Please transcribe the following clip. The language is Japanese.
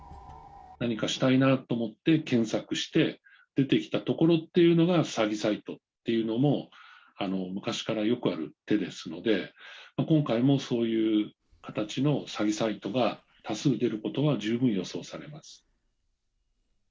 何かしたいなと思って、検索して、出てきたところっていうのが詐欺サイトっていうのも、昔からよくある手ですので、今回もそういう形の詐欺サイトが、多数出ることが十分予想されます。